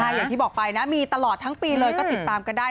อย่างที่บอกไปนะมีตลอดทั้งปีเลยก็ติดตามกันได้